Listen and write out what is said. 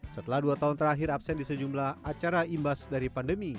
setelah dua tahun terakhir absen di sejumlah acara imbas dari pandemi